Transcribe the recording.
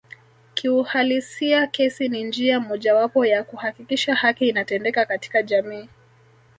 Kiuhalisia kesi ni njia mojawapo ya kuhakikisha haki inatendeka katika jamii